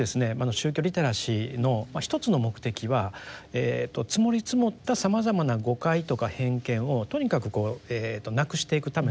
宗教リテラシーの一つの目的は積もり積もったさまざまな誤解とか偏見をとにかくなくしていくためのですね